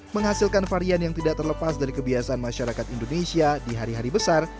menghasilkan varian yang tidak terlepas dari kebiasaan masyarakat indonesia di hari hari besar